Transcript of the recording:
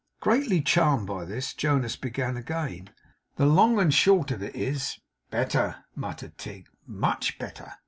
Greatly charmed by this, Jonas began again. 'The long and the short of it is ' 'Better,' muttered Tigg. 'Much better!